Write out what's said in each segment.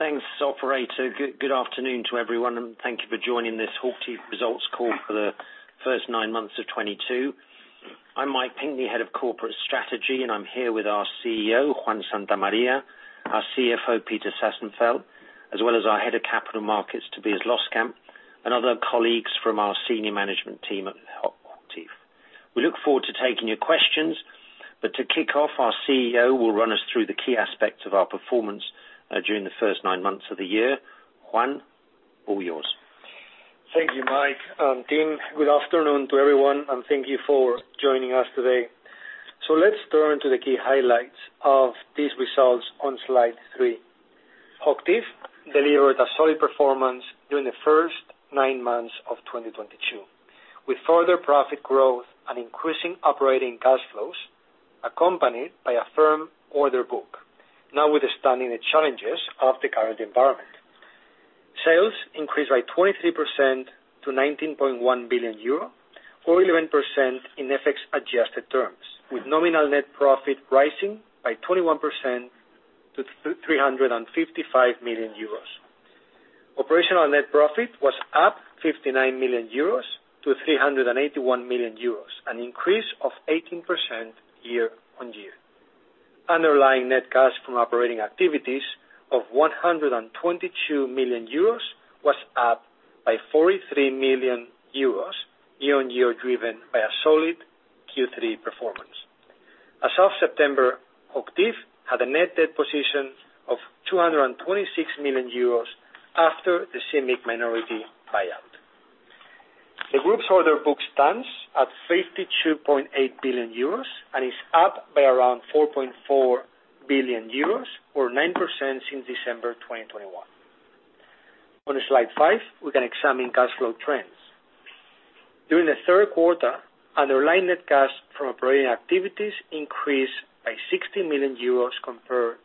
Thanks operator. Good afternoon to everyone, and thank you for joining this HOCHTIEF results call for the first nine months of 2022. I'm Mike Pinkney, Head of Corporate Strategy, and I'm here with our CEO, Juan Santamaría, our CFO, Peter Sassenfeld, as well as our Head of Capital Markets, Tobias Loskamp, and other colleagues from our senior management team at HOCHTIEF. We look forward to taking your questions, but to kick off, our CEO will run us through the key aspects of our performance during the first nine months of the year. Juan, all yours. Thank you, Mike and team. Good afternoon to everyone, and thank you for joining us today. Let's turn to the key highlights of these results on slide three. HOCHTIEF delivered a solid performance during the first nine months of 2022, with further profit growth and increasing operating cash flows, accompanied by a firm order book, now withstanding the challenges of the current environment. Sales increased by 23% to 19.1 billion euro or 11% in FX adjusted terms, with nominal net profit rising by 21% to 355 million euros. Operational net profit was up 59 million euros to 381 million euros, an increase of 18% year-on-year. Underlying net cash from operating activities of 122 million euros was up by 43 million euros year-on-year, driven by a solid Q3 performance. As of September, HOCHTIEF had a net debt position of 226 million euros after the CIMIC minority buyout. The group's order book stands at 52.8 billion euros and is up by around 4.4 billion euros or 9% since December 2021. On slide five, we can examine cash flow trends. During the third quarter, underlying net cash from operating activities increased by 60 million euros compared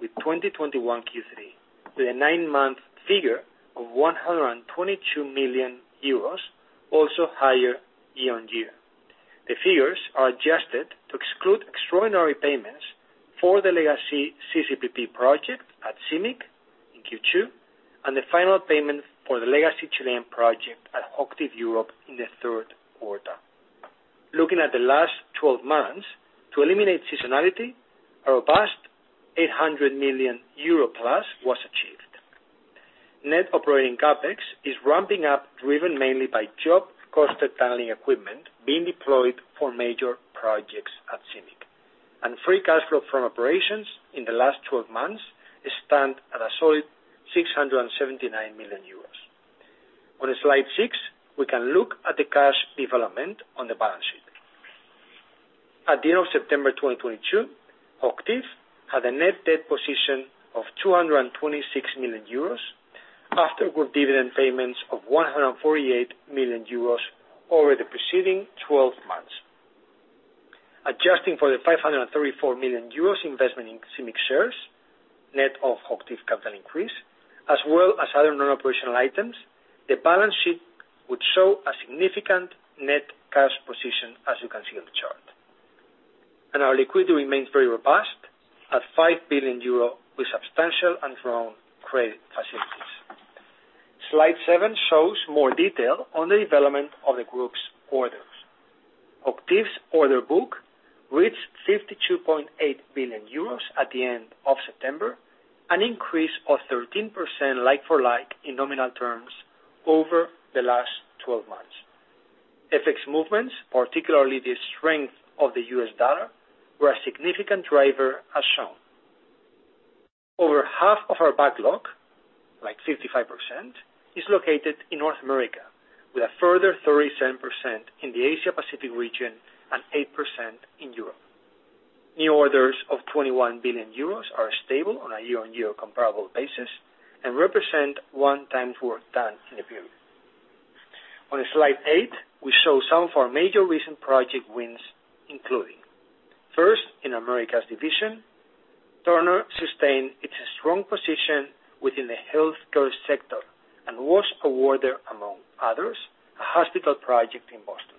with 2021 Q3, with a nine-month figure of 122 million euros also higher year-on-year. The figures are adjusted to exclude extraordinary payments for the legacy CCPP project at CIMIC in Q2, and the final payment for the legacy Chilean project at HOCHTIEF Europe in the third quarter. Looking at the last twelve months to eliminate seasonality, a robust 800 million euro+ was achieved. Net operating CapEx is ramping up, driven mainly by job-costed tunneling equipment being deployed for major projects at CIMIC. Free cash flow from operations in the last 12 months stands at a solid 679 million euros. On slide six, we can look at the cash development on the balance sheet. At the end of September 2022, HOCHTIEF had a net debt position of 226 million euros after group dividend payments of 148 million euros over the preceding 12 months. Adjusting for the 534 million euros investment in CIMIC shares, net of HOCHTIEF capital increase, as well as other non-operational items, the balance sheet would show a significant net cash position, as you can see on the chart. Our liquidity remains very robust at 5 billion euro with substantial and strong credit facilities. Slide seven shows more detail on the development of the group's orders. HOCHTIEF's order book reached 52.8 billion euros at the end of September, an increase of 13% like for like in nominal terms over the last 12 months. FX movements, particularly the strength of the U.S. dollar, were a significant driver as shown. Over half of our backlog, like 55%, is located in North America, with a further 37% in the Asia Pacific region and 8% in Europe. New orders of 21 billion euros are stable on a year-on-year comparable basis and represent 1x work done in the period. On Slide eight, we show some of our major recent project wins, including first, in Americas division, Turner sustained its strong position within the healthcare sector and was awarded, among others, a hospital project in Boston.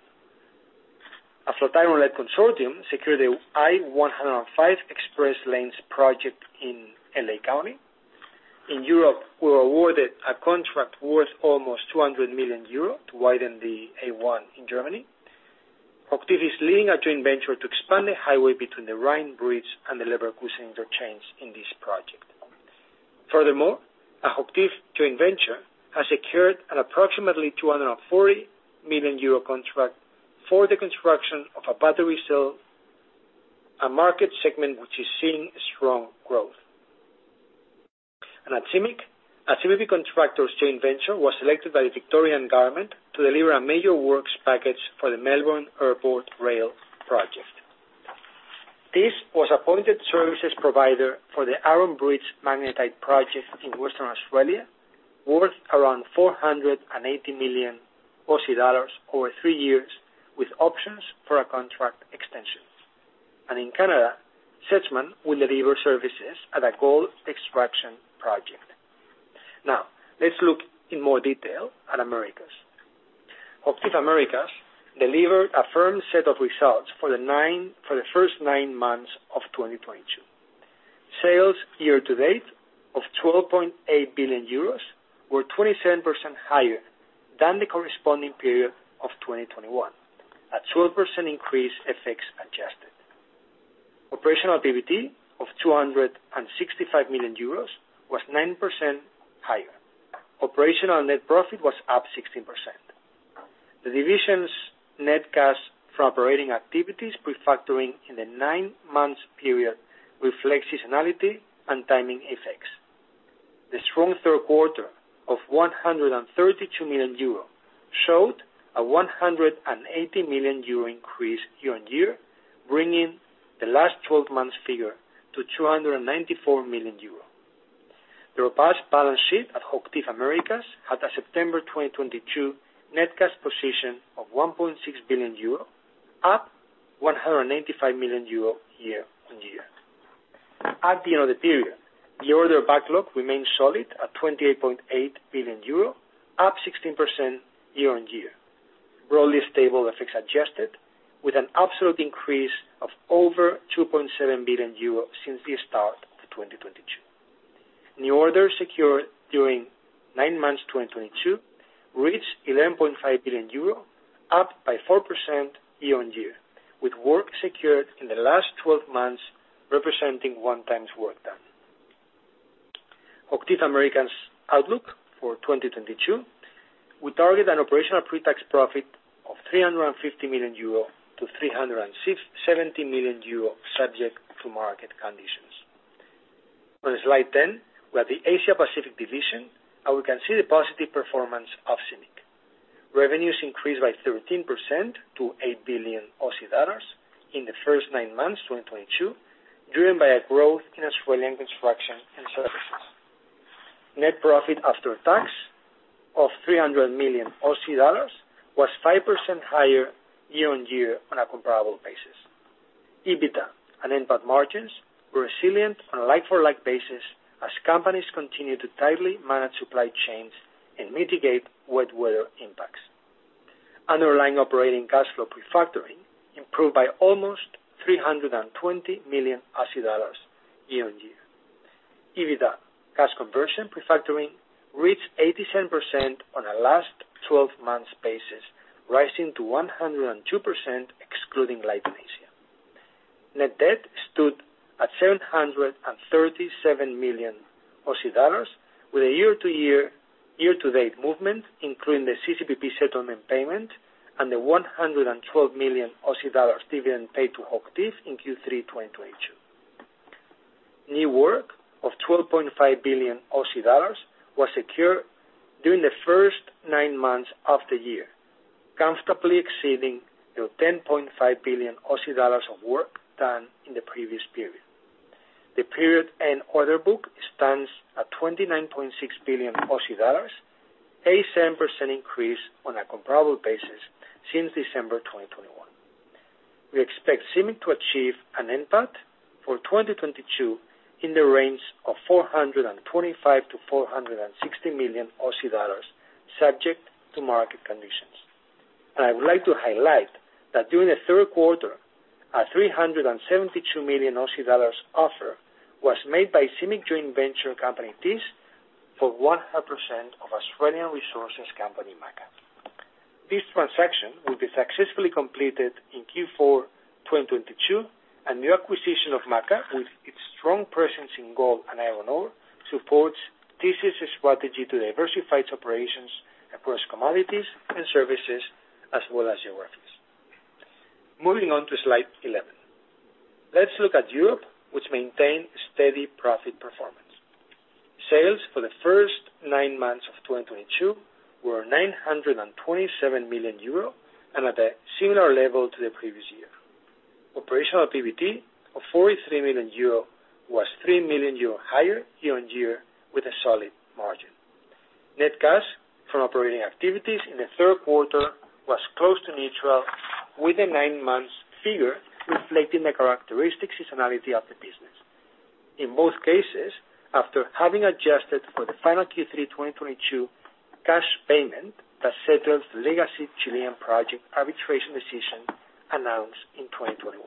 A Flatiron-led consortium secured the I-105 ExpressLanes Project in L.A. County. In Europe, we were awarded a contract worth almost 200 million euro to widen the A1 in Germany. HOCHTIEF is leading a joint venture to expand the highway between the Rhine Bridge and the Leverkusen interchange in this project. Furthermore, a HOCHTIEF joint venture has secured an approximately 240 million euro contract for the construction of a battery cell, a market segment which is seeing strong growth. At CIMIC, a CIMIC contractor joint venture was selected by the Victorian government to deliver a major works package for the Melbourne Airport Rail project. Thiess was appointed services provider for the Iron Bridge Magnetite Project in Western Australia, worth around 480 million Aussie dollars over three years, with options for a contract extension. In Canada, Sedgman will deliver services at a gold extraction project. Let's look in more detail at Americas. HOCHTIEF Americas delivered a firm set of results for the first nine months of 2022. Sales year to date of 12.8 billion euros were 27% higher than the corresponding period of 2021, a 12% increase FX adjusted. Operational activity of 265 million euros was 9% higher. Operational net profit was up 16%. The division's net cash from operating activities pre-factoring in the nine months period reflects seasonality and timing effects. The strong third quarter of 132 million euro showed a 180 million euro increase year-on-year, bringing the last twelve months figure to 294 million euro. The robust balance sheet at HOCHTIEF Americas had a September 2022 net cash position of 1.6 billion euro, up 185 million euro year-on-year. At the end of the period, the order backlog remained solid at 28.8 billion euro, up 16% year-on-year. Broadly stable effects adjusted with an absolute increase of over 2.7 billion euros since the start of 2022. New order secured during nine months, 2022, reached 11.5 billion euro, up by 4% year-on-year, with work secured in the last 12 months, representing 1x work done. HOCHTIEF Americas outlook for 2022, we target an operational pre-tax profit of 350 million-370 million euro, subject to market conditions. On slide 10, we have the Asia-Pacific division, and we can see the positive performance of CIMIC. Revenues increased by 13% to 8 billion Aussie dollars in the first nine months, 2022, driven by a growth in Australian construction and services. Net profit after tax of 300 million Aussie dollars was 5% higher year-on-year on a comparable basis. EBITDA and NPAT margins were resilient on a like-for-like basis as companies continued to tightly manage supply chains and mitigate wet weather impacts. Underlying operating cash flow pre-factoring improved by almost 320 million dollars year-on-year. EBITDA cash conversion pre-factoring reached 87% on a last 12 months basis, rising to 102% excluding Leighton Asia. Net debt stood at 737 million Aussie dollars with a year-to-date movement, including the CCPP settlement payment and the 112 million Aussie dollars dividend paid to HOCHTIEF in Q3, 2022. New work of 12.5 billion Aussie dollars was secured during the first nine months of the year, comfortably exceeding the 10.5 billion Aussie dollars of work done in the previous period. The period end order book stands at 29.6 billion Aussie dollars, a 7% increase on a comparable basis since December 2021. We expect CIMIC to achieve an NPAT for 2022 in the range of 425 million-460 million Aussie dollars, subject to market conditions. I would like to highlight that during the third quarter, an 372 million Aussie dollars offer was made by CIMIC joint venture company, Thiess, for 100% of Australian resources company MACA. This transaction will be successfully completed in Q4 2022, and the acquisition of MACA, with its strong presence in gold and iron ore, supports Thiess' strategy to diversify its operations across commodities and services as well as geographies. Moving on to slide 11. Let's look at Europe, which maintained steady profit performance. Sales for the first nine months of 2022 were 927 million euro, and at a similar level to the previous year. Operational activity of 43 million euro was 3 million euro higher year-on-year with a solid margin. Net cash from operating activities in the third quarter was close to neutral, with the nine months figure reflecting the characteristic seasonality of the business. In both cases, after having adjusted for the final Q3 2022 cash payment that settles the legacy Chilean project arbitration decision announced in 2021.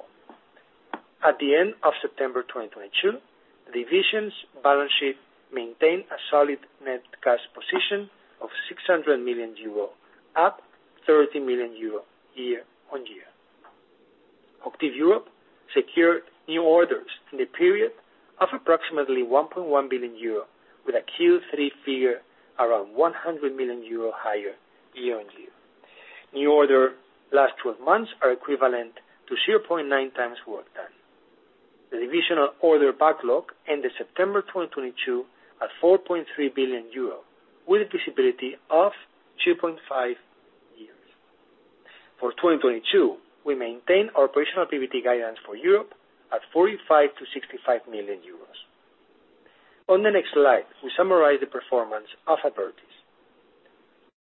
At the end of September 2022, the division's balance sheet maintained a solid net cash position of 600 million euro, up 30 million euro year-on-year. HOCHTIEF Europe secured new orders in the period of approximately 1.1 billion euro, with a Q3 figure around 100 million euro higher year-on-year. New orders last twelve months are equivalent to 0.9x work done. The divisional order backlog ended September 2022 at 4.3 billion euro, with a visibility of 2.5 years. For 2022, we maintain our operational activity guidance for Europe at 45 million-65 million euros. On the next slide, we summarize the performance of Abertis.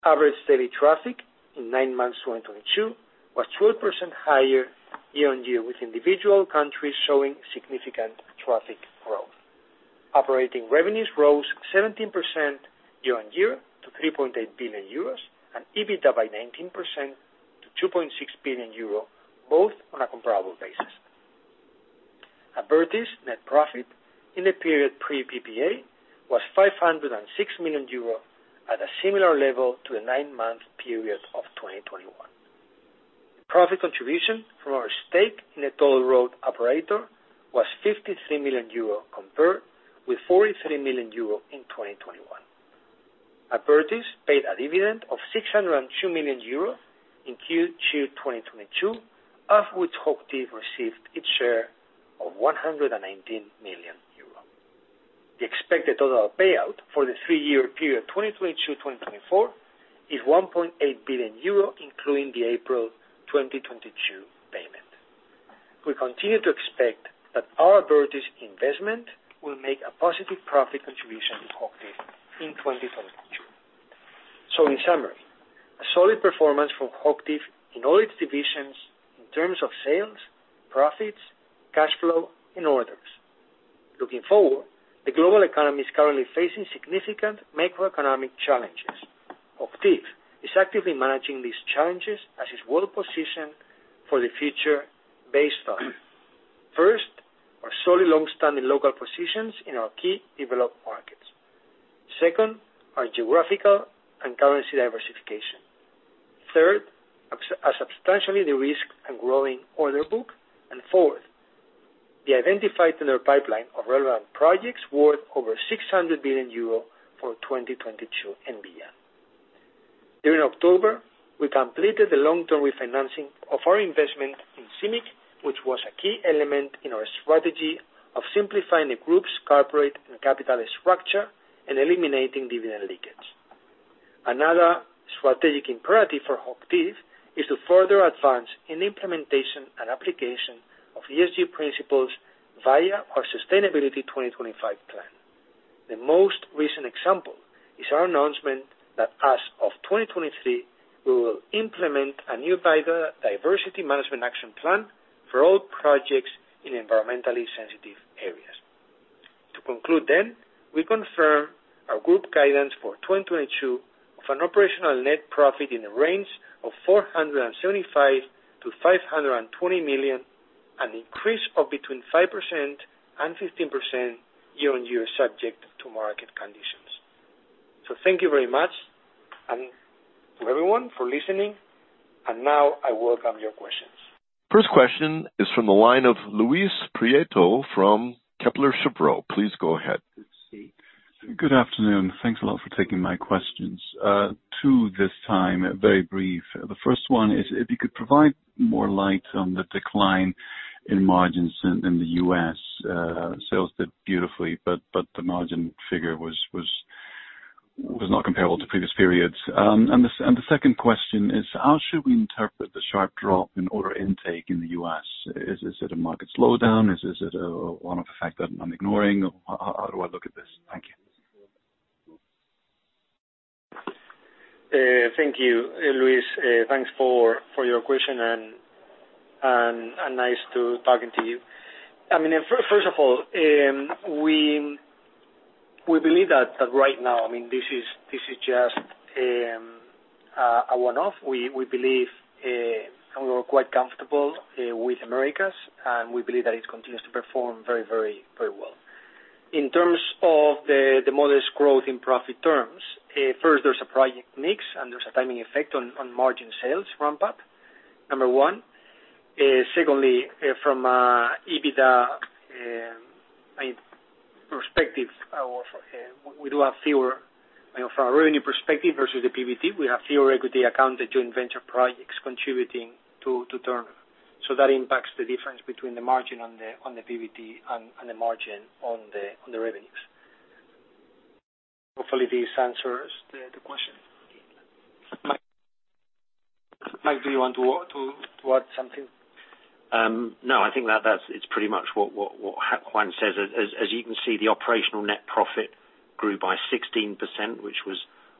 Average daily traffic in nine months 2022 was 12% higher year-on-year, with individual countries showing significant traffic growth. Operating revenues rose 17% year-on-year to 3.8 billion euros and EBITDA by 19% to 2.6 billion euro, both on a comparable basis. Abertis net profit in the period pre PPA was 506 million euro at a similar level to the nine-month period of 2021. Profit contribution from our stake in the toll road operator was 53 million euro, compared with 43 million euro in 2021. Abertis paid a dividend of 602 million euro in Q2 2022, of which HOCHTIEF received its share of 119 million euro. The expected total payout for the three-year period 2022 to 2024 is 1.8 billion euro, including the April 2022 payment. We continue to expect that our Abertis investment will make a positive profit contribution to HOCHTIEF in 2022. In summary, a solid performance from HOCHTIEF in all its divisions in terms of sales, profits, cash flow and orders. Looking forward, the global economy is currently facing significant macroeconomic challenges. HOCHTIEF is actively managing these challenges as it's well-positioned for the future based on, first, our solid long-standing local positions in our key developed markets. Second, our geographical and currency diversification. Third, a substantially de-risked and growing order book. And fourth, the identified tender pipeline of relevant projects worth over 600 billion euro for 2022 and beyond. During October, we completed the long-term refinancing of our investment in CIMIC, which was a key element in our strategy of simplifying the group's corporate and capital structure and eliminating dividend leakages. Another strategic imperative for HOCHTIEF is to further advance in the implementation and application of ESG principles via our Sustainability Plan 2025. The most recent example is our announcement that as of 2023, we will implement a new biodiversity management action plan for all projects in environmentally sensitive areas. To conclude, we confirm our group guidance for 2022 of an operational net profit in the range of 475 million-520 million, an increase of between 5% and 15% year-on-year, subject to market conditions. Thank you very much and to everyone for listening, and now I welcome your questions. First question is from the line of Luis Prieto from Kepler Cheuvreux. Please go ahead. Good afternoon. Thanks a lot for taking my questions. Two this time, very brief. The first one is if you could provide more light on the decline in margins in the U.S. Sales did beautifully, but the margin figure was not comparable to previous periods. The second question is how should we interpret the sharp drop in order intake in the U.S.? Is it a market slowdown? Is it one of the fact that I'm ignoring? How do I look at this? Thank you. Thank you, Luis. Thanks for your question and nice to talking to you. I mean, first of all, we believe that right now, I mean, this is just a one-off. We believe and we're quite comfortable with Americas, and we believe that it continues to perform very well. In terms of the modest growth in profit terms, first there's a project mix, and there's a timing effect on margin sales ramp-up, number one. Secondly, from EBITDA, I mean, perspective of, we do have fewer, you know, from a revenue perspective versus the PBT, we have fewer equity accounted joint venture projects contributing to turnover. That impacts the difference between the margin on the PBT and the margin on the revenues. Hopefully this answers the question. Mike, do you want to add something? No, I think that's it. It's pretty much what Juan says. As you can see, the operational net profit grew by 16%, which was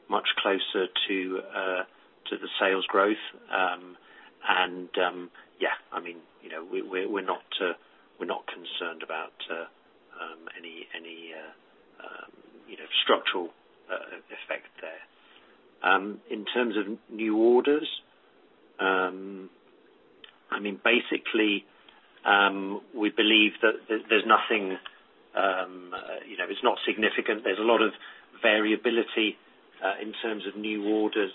much closer to the sales growth. I mean, you know, we're not concerned about any structural effect there. In terms of new orders, I mean, basically, we believe that there's nothing, you know, it's not significant. There's a lot of variability in terms of new orders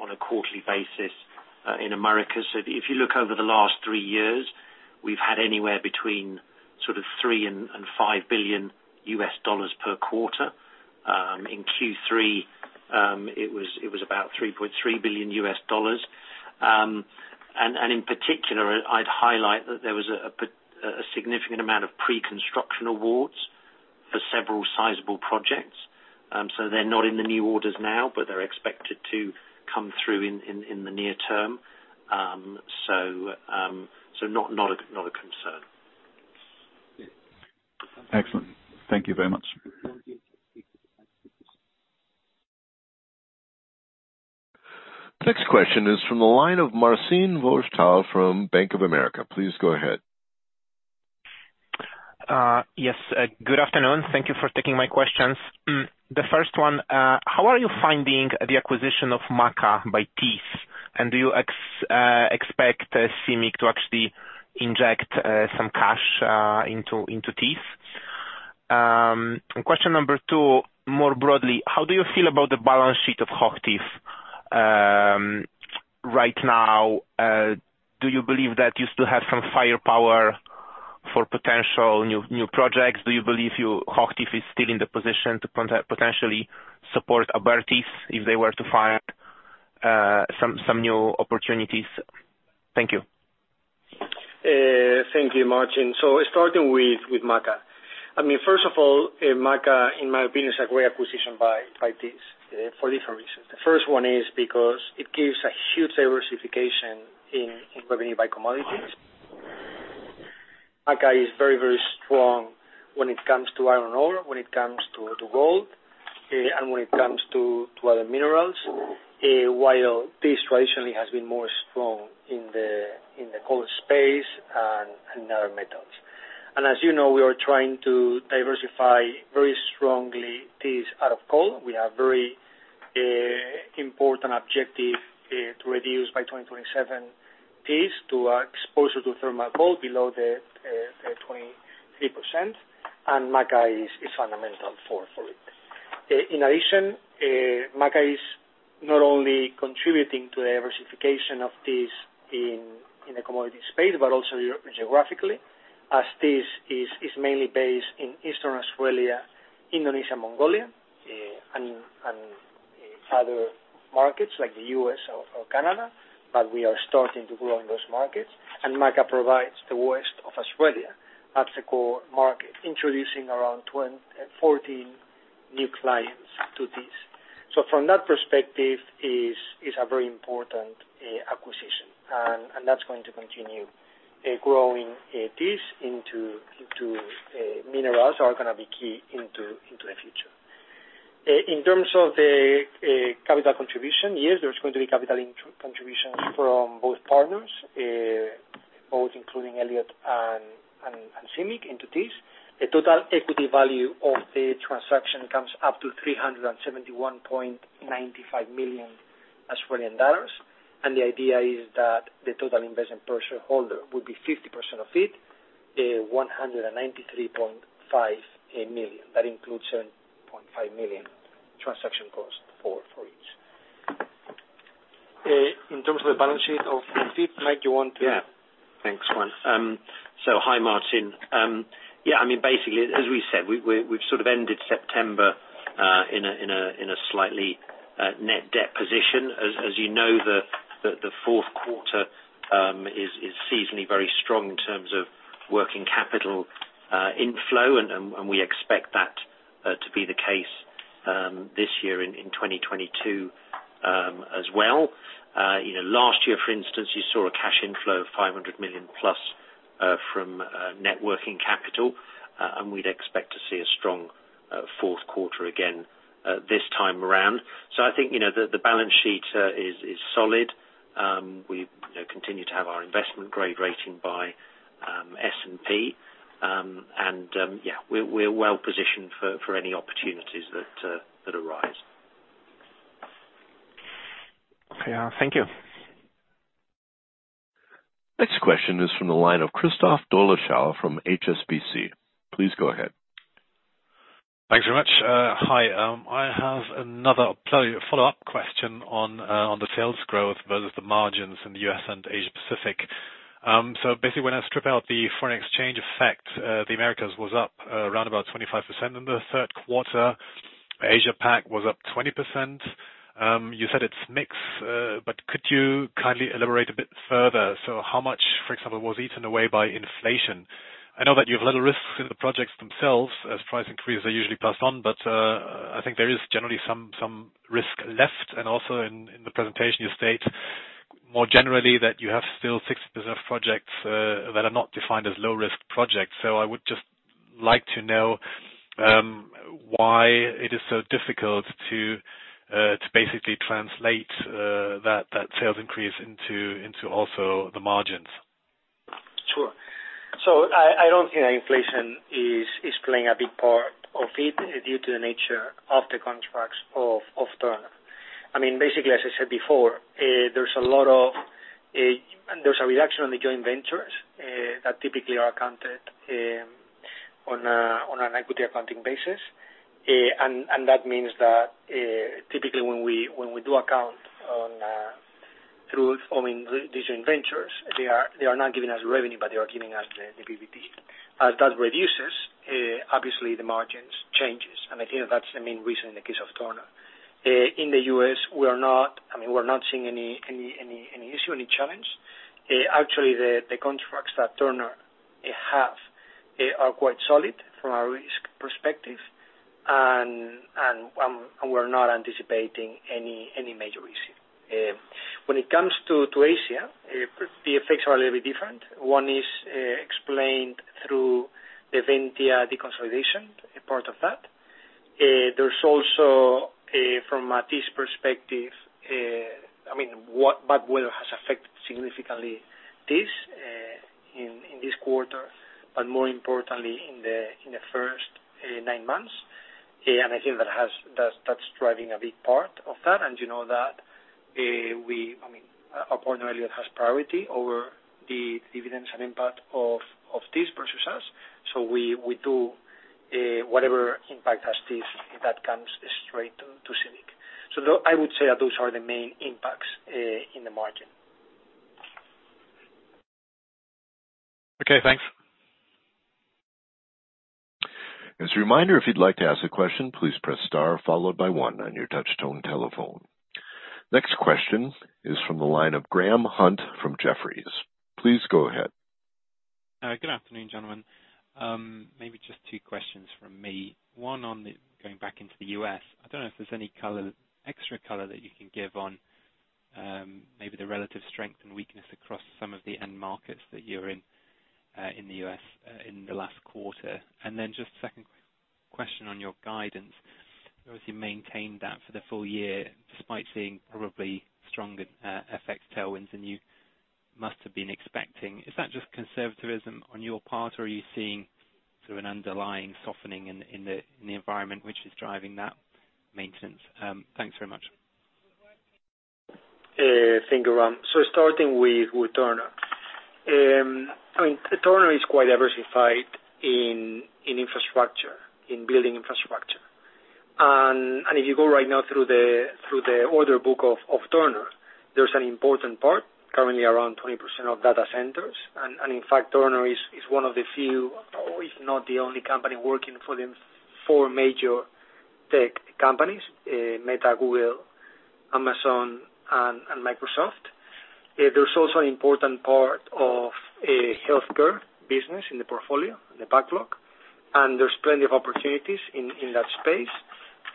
on a quarterly basis in Americas. If you look over the last three years, we've had anywhere between sort of $3 billion and $5 billion per quarter. In Q3, it was about $3.3 billion. In particular, I'd highlight that there was a significant amount of preconstruction awards for several sizable projects. They're not in the new orders now, but they're expected to come through in the near term. Not a concern. Excellent. Thank you very much. Next question is from the line of Marcin Wojtal from Bank of America. Please go ahead. Yes. Good afternoon. Thank you for taking my questions. The first one, how are you finding the acquisition of MACA by Thiess? Do you expect CIMIC to actually inject some cash into Thiess? Question number two, more broadly, how do you feel about the balance sheet of HOCHTIEF right now? Do you believe that you still have some firepower for potential new projects? Do you believe HOCHTIEF is still in the position to potentially support Abertis if they were to find some new opportunities? Thank you. Thank you, Marcin. Starting with MACA. I mean, first of all, MACA, in my opinion, is a great acquisition by Thiess for different reasons. The first one is because it gives a huge diversification in revenue by commodities. MACA is very strong when it comes to iron ore, when it comes to gold, and when it comes to other minerals, while Thiess traditionally has been more strong in the coal space and other metals. As you know, we are trying to diversify very strongly Thiess out of coal. We have very important objective to reduce by 2027 Thiess to exposure to thermal coal below the 23%, and MACA is fundamental for it. In addition, MACA is not only contributing to the diversification of Thiess in the commodity space, but also geographically, as Thiess is mainly based in Eastern Australia, Indonesia, Mongolia, and other markets like the U.S. or Canada. We are starting to grow in those markets. MACA provides the west of Australia as the core market, introducing around 14 new clients to Thiess. From that perspective is a very important acquisition. That's going to continue growing Thiess into minerals are gonna be key into the future. In terms of the capital contribution, yes, there's going to be capital contributions from both partners, both including Elliott and CIMIC into Thiess. The total equity value of the transaction comes up to 371.95 million Australian dollars. The idea is that the total investment per shareholder would be 50% of it, 193.5 million. That includes 7.5 million transaction cost for each. In terms of the balance sheet of Thiess, Mike, you want to- Yeah. Thanks, Juan. Hi, Marcin. Yeah, I mean, basically, as we said, we've sort of ended September in a slightly net debt position. As you know, the fourth quarter is seasonally very strong in terms of working capital inflow, and we expect that to be the case this year in 2022 as well. You know, last year, for instance, you saw a cash inflow of 500 million+ from net working capital, and we'd expect to see a strong fourth quarter again this time around. I think, you know, the balance sheet is solid. We, you know, continue to have our investment grade rating by S&P. Yeah, we're well positioned for any opportunities that arise. Yeah. Thank you. Next question is from the line of Christoph Dolleschal from HSBC. Please go ahead. Thanks very much. Hi. I have another follow-up question on the sales growth versus the margins in the U.S. and Asia Pacific. So basically, when I strip out the foreign exchange effect, the Americas was up around about 25% in the third quarter. Asia Pac was up 20%. You said it's mix, but could you kindly elaborate a bit further? So how much, for example, was eaten away by inflation? I know that you have little risks in the projects themselves as price increases are usually passed on, but I think there is generally some risk left. Also in the presentation you state more generally that you have still six business projects that are not defined as low risk projects. I would just like to know why it is so difficult to basically translate that sales increase into also the margins. Sure. I don't think that inflation is playing a big part of it due to the nature of the contracts of Turner. I mean, basically, as I said before, there's a reduction on the joint ventures that typically are accounted on an equity accounting basis. That means that typically when we do account on through these joint ventures, they are not giving us revenue, but they are giving us the PBT. As that reduces, obviously the margins changes. I think that's the main reason in the case of Turner. In the U.S., we are not, I mean, we're not seeing any issue, any challenge. Actually the contracts that Turner have are quite solid from a risk perspective. We're not anticipating any major issue. When it comes to Asia, the effects are a little bit different. One is explained through the Ventia deconsolidation, a part of that. There's also from a lease perspective, I mean, bad weather has affected significantly Thiess in this quarter, but more importantly, in the first nine months. I think that's driving a big part of that. You know that, I mean, our partner Elliott has priority over the dividends and impact of these processes. We do whatever impact has Thiess that comes straight to CIMIC. I would say that those are the main impacts in the margin. Okay, thanks. As a reminder, if you'd like to ask a question, please press star followed by one on your touch tone telephone. Next question is from the line of Graham Hunt from Jefferies. Please go ahead. Good afternoon, gentlemen. Maybe just two questions from me. Going back into the U.S. I don't know if there's any color, extra color that you can give on, maybe the relative strength and weakness across some of the end markets that you're in the U.S., in the last quarter. Just second question on your guidance. I know you've maintained that for the full year, despite seeing probably stronger, FX tailwinds than you must have been expecting. Is that just conservatism on your part? Or are you seeing sort of an underlying softening in the environment which is driving that maintenance? Thanks very much. Thank you, Graham. Starting with Turner. I mean, Turner is quite diversified in infrastructure, in building infrastructure. If you go right now through the order book of Turner, there's an important part, currently around 20% of data centers. In fact, Turner is one of the few, if not the only company working for the four major tech companies, Meta, Google, Amazon and Microsoft. There's also an important part of a healthcare business in the portfolio, in the backlog, and there's plenty of opportunities in that space,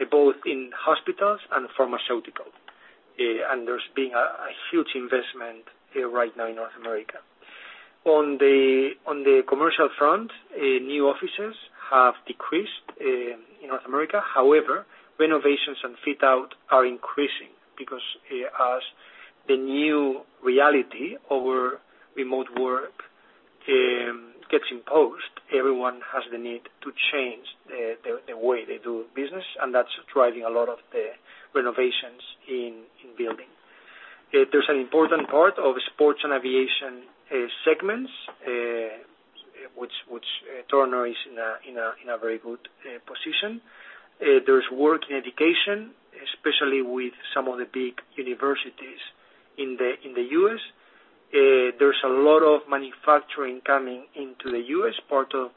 both in hospitals and pharmaceutical. There's been a huge investment right now in North America. On the commercial front, new offices have decreased in North America. However, renovations and fit out are increasing because as the new reality over remote work gets imposed, everyone has the need to change the way they do business, and that's driving a lot of the renovations in building. There's an important part in sports and aviation segments which Turner is in a very good position. There's work in education, especially with some of the big universities in the U.S. There's a lot of manufacturing coming into the U.S., I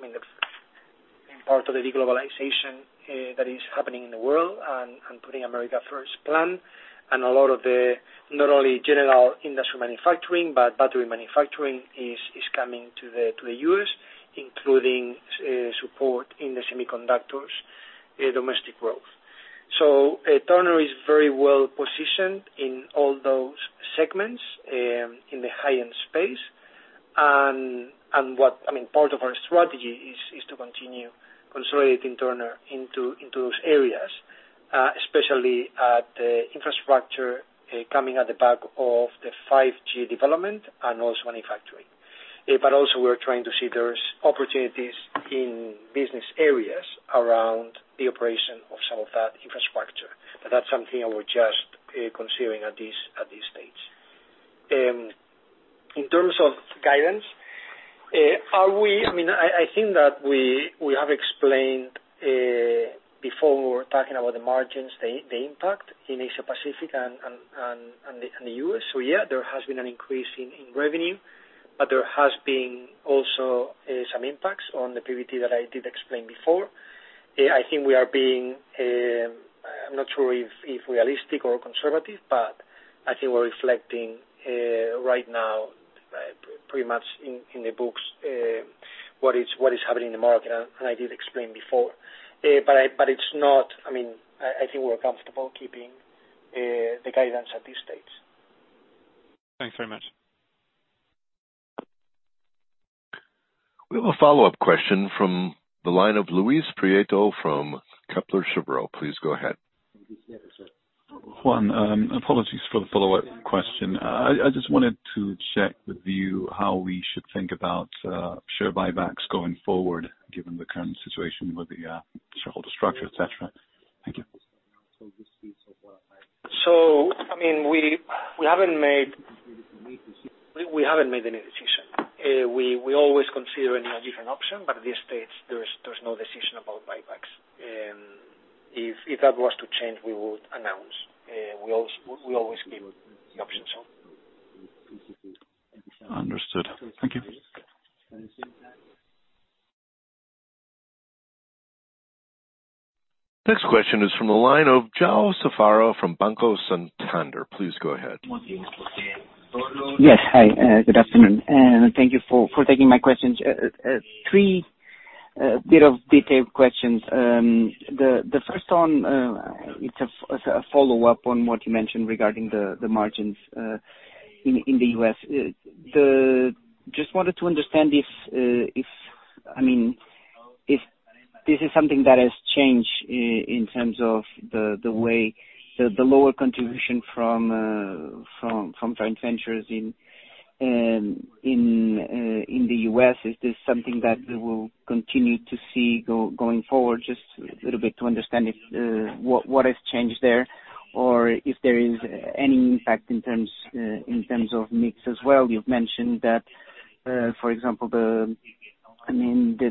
mean, in part, the de-globalization that is happening in the world and putting America First plan. A lot of the not only general industrial manufacturing, but battery manufacturing is coming to the U.S., including support in the semiconductors domestic growth. So Turner is very well positioned in all those segments in the high-end space. I mean, part of our strategy is to continue consolidating Turner into those areas, especially at the infrastructure coming on the back of the 5G development and also manufacturing. But also we're trying to see there's opportunities in business areas around the operation of some of that infrastructure, but that's something that we're just considering at this stage. In terms of guidance, are we... I mean, I think that we have explained before talking about the margins, the impact in Asia Pacific and the U.S.. Yeah, there has been an increase in revenue, but there has also been some impacts on the PBT that I did explain before. I think we are being, I'm not sure if realistic or conservative, but I think we're reflecting right now pretty much in the books what is happening in the market, and I did explain before. I mean, I think we're comfortable keeping the guidance at this stage. Thanks very much. We have a follow-up question from the line of Luis Prieto from Kepler Cheuvreux. Please go ahead. Yes, sir. Juan, apologies for the follow-up question. I just wanted to check with you how we should think about share buybacks going forward, given the current situation with the shareholder structure, et cetera. Thank you. I mean, we haven't made any decision. We always consider any different option, but at this stage, there's no decision about buybacks. If that was to change, we would announce. We always keep the options open. Understood. Thank you. Next question is from the line of João Safara from Banco Santander. Please go ahead. Yes. Hi, good afternoon, and thank you for taking my questions. Three, a bit of detailed questions. The first one, it's a follow-up on what you mentioned regarding the margins in the U.S.. Just wanted to understand if, I mean, if this is something that has changed in terms of the way the lower contribution from joint ventures in the U.S., is this something that we will continue to see going forward? Just a little bit to understand if what has changed there or if there is any impact in terms of mix as well. You've mentioned that, for example, the. I mean, the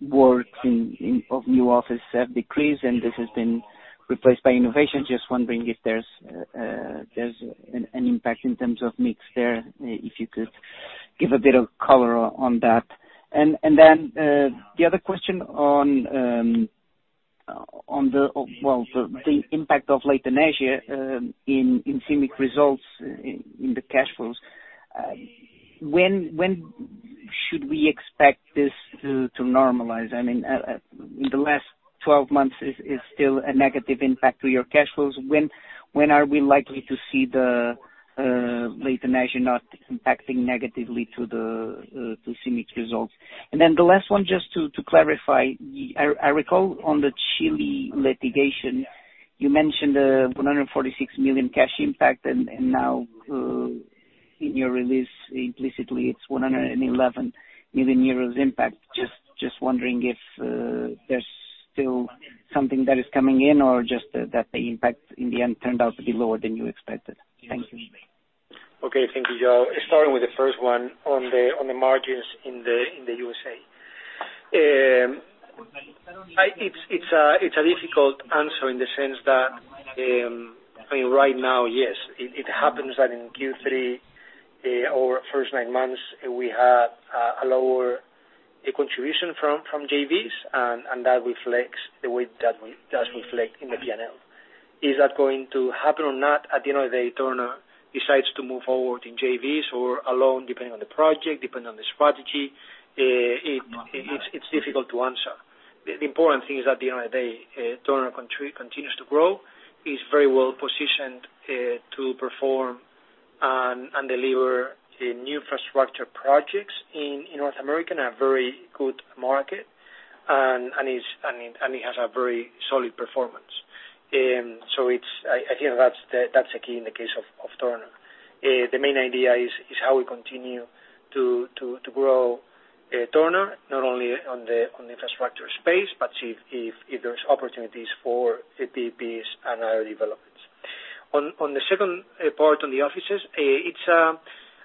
works in new office have decreased and this has been replaced by innovation. Just wondering if there's an impact in terms of mix there, if you could give a bit of color on that. Then the other question on the impact of Leighton Asia in CIMIC results in the cash flows. When should we expect this to normalize? I mean, the last 12 months is still a negative impact to your cash flows. When are we likely to see the Leighton Asia not impacting negatively to the CIMIC results? The last one, just to clarify, I recall on the Chile litigation, you mentioned 146 million cash impact, and now in your release, implicitly, it's 111 million euros impact. Just wondering if there's still something that is coming in or just that the impact in the end turned out to be lower than you expected. Thank you. Okay. Thank you, João. Starting with the first one on the margins in the U.S.A.. It's a difficult answer in the sense that, I mean, right now, yes, it happens that in Q3 or first nine months, we had a lower contribution from JVs, and that reflects the way that reflect in the P&L. Is that going to happen or not? At the end of the day, Turner decides to move forward in JVs or alone, depending on the project, depending on the strategy. It's difficult to answer. The important thing is, at the end of the day, Turner continues to grow. It's very well positioned to perform and deliver in new infrastructure projects in North America, in a very good market, and it has a very solid performance. I think that's the key in the case of Turner. The main idea is how we continue to grow Turner, not only on the infrastructure space, but if there's opportunities for PPPs and other developments. On the second part on the offices,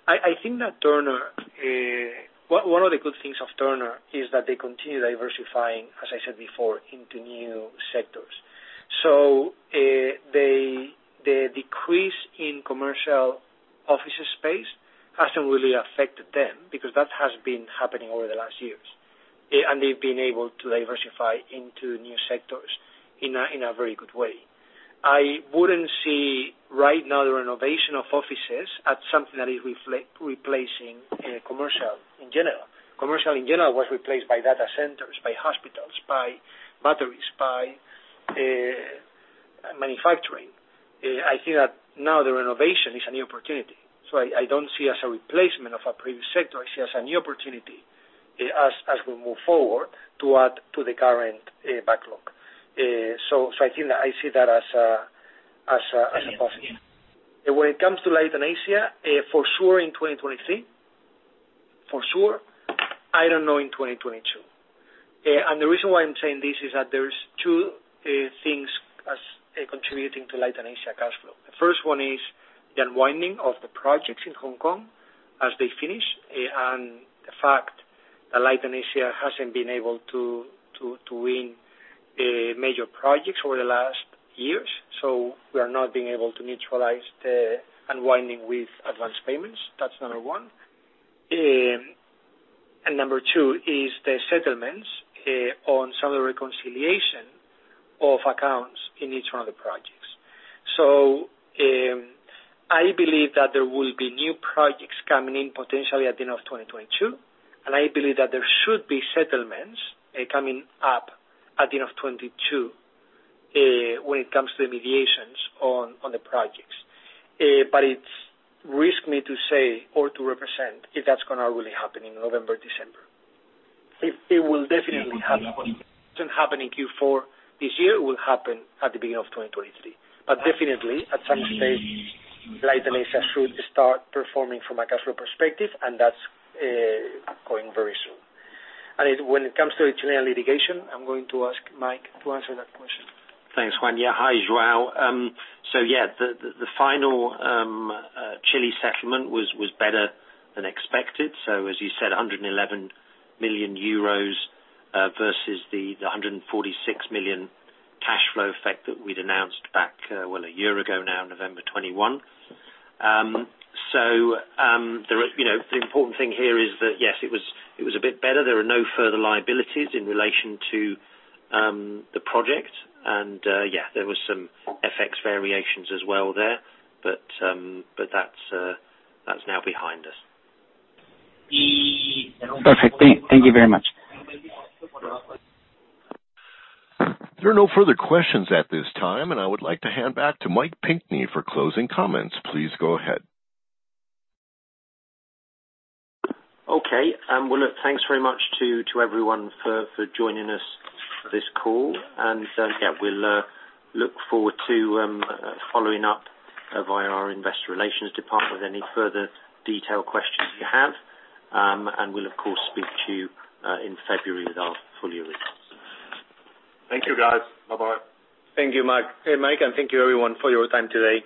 I think that Turner, one of the good things of Turner is that they continue diversifying, as I said before, into new sectors. The decrease in commercial offices space hasn't really affected them because that has been happening over the last years. They've been able to diversify into new sectors in a very good way. I wouldn't see right now the renovation of offices as something that is replacing commercial in general. Commercial in general was replaced by data centers, by hospitals, by batteries, by manufacturing. I think that now the renovation is a new opportunity. I don't see as a replacement of a previous sector. I see as a new opportunity as we move forward to add to the current backlog. I think I see that as a positive. When it comes to Leighton Asia, for sure in 2023. For sure. I don't know in 2022. The reason why I'm saying this is that there's two things contributing to Leighton Asia cash flow. The first one is the unwinding of the projects in Hong Kong as they finish, and the fact that Leighton Asia hasn't been able to win major projects over the last years. We are not being able to neutralize the unwinding with advanced payments. That's number one. Number two is the settlements on some of the reconciliation of accounts in each one of the projects. I believe that there will be new projects coming in potentially at the end of 2022, and I believe that there should be settlements coming up at the end of 2022, when it comes to the mediations on the projects. It's risky to say or to represent if that's gonna really happen in November, December. It will definitely happen. It doesn't happen in Q4 this year, it will happen at the beginning of 2023. Definitely, at some stage, Leighton Asia should start performing from a cash flow perspective, and that's going very soon. When it comes to the Chilean litigation, I'm going to ask Mike to answer that question. Thanks, Juan. Yeah. Hi, João. The final Chile settlement was better than expected. As you said, 111 million euros versus the 146 million cash flow effect that we'd announced back, well, a year ago now, November 2021. You know, the important thing here is that, yes, it was a bit better. There are no further liabilities in relation to the project. Yeah, there was some FX variations as well there, but that's now behind us. Perfect. Thank you very much. There are no further questions at this time, and I would like to hand back to Mike Pinkney for closing comments. Please go ahead. Okay. Well, look, thanks very much to everyone for joining us for this call. Yeah, we'll look forward to following up via our investor relations department any further detailed questions you have, and we'll of course speak to you in February with our full year results. Thank you, guys. Bye-bye. Thank you, Mike. Hey, Mike, and thank you everyone for your time today.